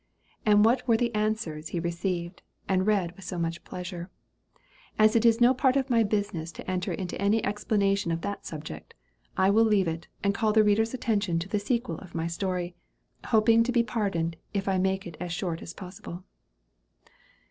and what were the answers he received, and read with so much pleasure. As it is no part of my business to enter into any explanation of that subject, I will leave it and call the reader's attention to the sequel of my story, hoping to be pardoned if I make it as short as possible.